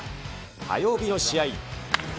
火曜日の試合。